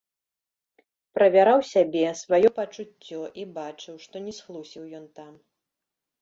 Правяраў сябе, сваё пачуццё і бачыў, што не схлусіў ён там.